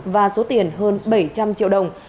và số tiền hơn bảy trăm linh triệu đồng